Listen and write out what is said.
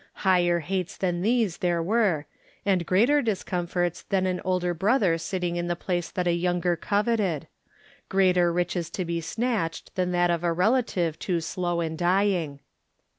Higher hates than these there were, and greater discomforts than an older brother sitting in the place that a younger coveted; greater riches to be snatched than that of a relative too slow in dying.